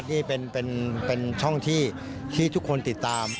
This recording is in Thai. ไทยรัฐนี้เป็นช่องที่ทุกคนติดตาม